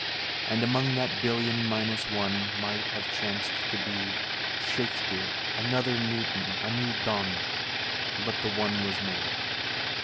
And among that billion minus one Might have chanced to be Shakespeare, another Newton, a new Donne — But the One was Me.